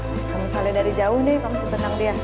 kalau misalnya dari jauh nih kamu mesti tenang dia